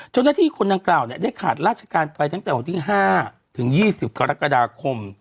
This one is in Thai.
จนที่คนดั่งกล่าวจะขาดราชการไปตั้งแต่หกห้าถึงห้าุลาที่สิบกรรกฎาคม